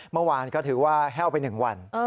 เมื่อวานก็ถือว่าแห้วไป๑วัน